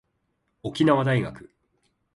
沖縄大学